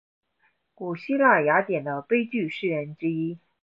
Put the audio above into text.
古希腊雅典的悲剧诗人之一。